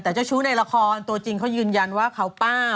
แต่เจ้าชู้ในละครตัวจริงเขายืนยันว่าเขาป้า